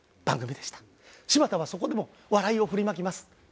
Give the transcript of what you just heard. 柴田はそこでも笑いを振りまきます。